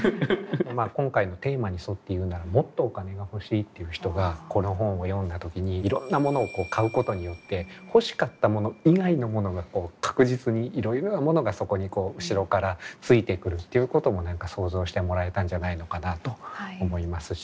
今回のテーマに沿って言うならもっとお金が欲しいっていう人がこの本を読んだ時にいろんな物を買うことによって欲しかった物以外のものが確実にいろいろなものがそこに後ろから付いて来るっていうことも何か想像してもらえたんじゃないのかなと思いますしね。